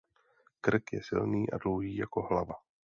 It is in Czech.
Krk je silný a dlouhý jako hlava.